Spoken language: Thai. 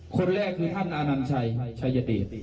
คนแรกคือท่านอนัญชัยชัยติ